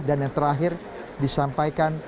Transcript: dan yang terakhir disampaikan